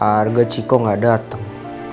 harga ciko gak dateng